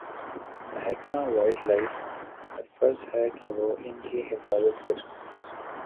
محکمہ wildlife پر فرض ہے کہ وہ ان کی حفاظت کریں